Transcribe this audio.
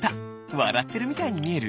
わらってるみたいにみえる？